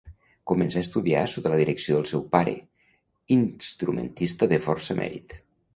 Començà estudiar sota la direcció del seu pare, instrumentista de força mèrit.